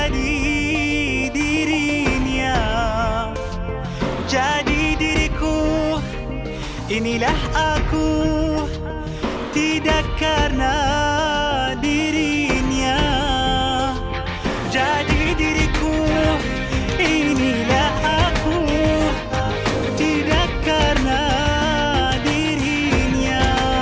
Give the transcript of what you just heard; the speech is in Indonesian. jadi dirinya jadi diriku inilah aku tidak karena dirinya jadi diriku inilah aku tidak karena dirinya